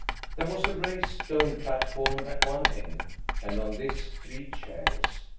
There was a raised stone platform at one end, and on this three chairs.